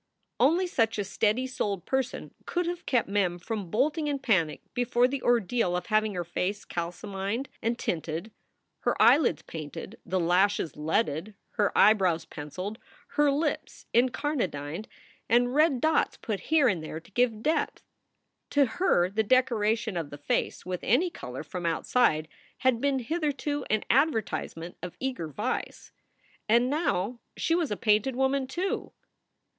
Only such a steady souled person could have kept Mem from bolting in panic before the ordeal of having her face calcimined and tinted, her eyelids painted, the lashes leaded, her eyebrows penciled, her lips encarnadined, and red dots put here and there to give depth. To her the decoration of the face with any color from outside had been hitherto an advertisement of eager vice. And now she was a painted woman, too!